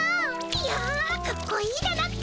いやかっこいいだなんて。